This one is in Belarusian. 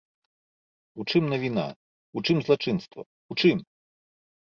У чым навіна, у чым злачынства, у чым?